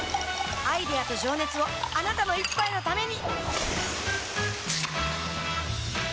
アイデアと情熱をあなたの一杯のためにプシュッ！